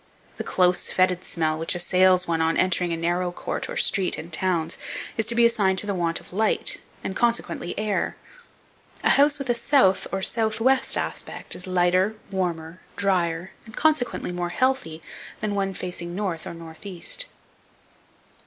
The close, fetid smell which assails one on entering a narrow court, or street, in towns, is to be assigned to the want of light, and, consequently, air. A house with a south or south west aspect, is lighter, warmer, drier, and consequently more healthy, than one facing the north or north east.